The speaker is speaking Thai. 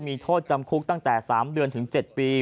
มีโทษจำคุกตั้งแต่๓เดือนถึง๗ปี